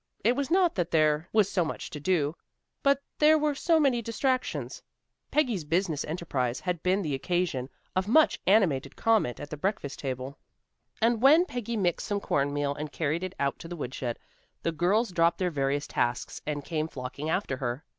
It was not that there was so much to do, but there were so many distractions. Peggy's business enterprise had been the occasion of much animated comment at the breakfast table, and when Peggy mixed some corn meal and carried it out to the woodshed, the girls dropped their various tasks and came flocking after her.